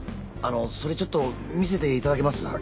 あのそれちょっと見せていただけます？